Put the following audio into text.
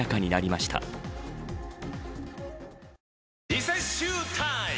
リセッシュータイム！